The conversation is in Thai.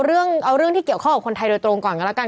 เอาเรื่องที่เกี่ยวข้องกับคนไทยโดยตรงก่อนกันแล้วกัน